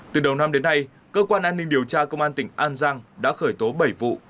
từ đầu năm đến nay cơ quan an ninh điều tra công an tỉnh an giang đã khởi tố bảy vụ